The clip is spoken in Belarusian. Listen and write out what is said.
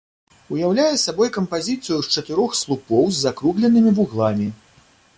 Уяўляе сабой кампазіцыю з чатырох слупоў з закругленымі вугламі.